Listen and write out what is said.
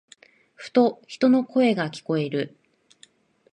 ふと、人の声が聞こえる。